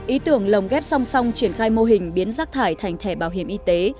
ý tưởng lồng ghép song song triển khai mô hình biến rác thải thành thẻ bảo hiểm y tế